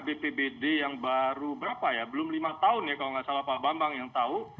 bpbd yang baru berapa ya belum lima tahun ya kalau nggak salah pak bambang yang tahu